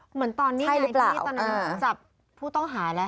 เหมือนตอนนี้ในพื้นที่ตอนนั้นจับผู้ต้องหาแล้ว